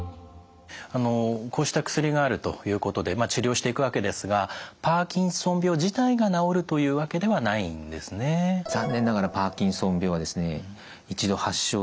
あのこうした薬があるということで治療していくわけですがパーキンソン病自体が治るというわけではないんですね？